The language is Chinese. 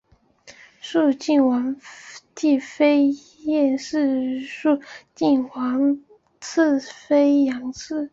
肃靖王继妃晏氏肃靖王次妃杨氏